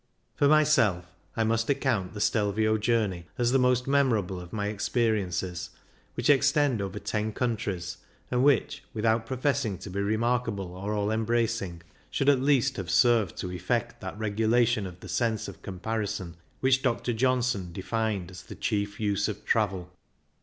For myself, I must account the Stelvio journey as the most memorable of my experiences, which extend over ten countries, and which, without professing to be remarkable or all embracing, should at least have served to effect that regulation of the sense of comparison which Dr. Johnson defined as the chief use of travel.